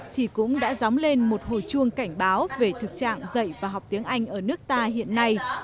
thì cũng đã dóng lên một hồi chuông cảnh báo về thực trạng dạy và học tiếng anh ở nước ta hiện nay